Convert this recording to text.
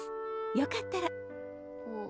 よかったら。